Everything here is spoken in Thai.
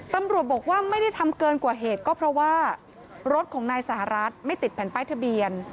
ตำรวจบอกว่าไม่ได้ทำเกินกว่าเหตุก็เพราะว่ารถของนายสหรัฐไม่ติดแผ่นป้ายทะเบียน